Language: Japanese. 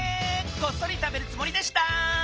こっそり食べるつもりでした。